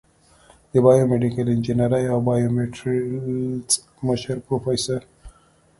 د بایو میډیکل انجینرۍ او بایومیټریلز مشر پروفیسر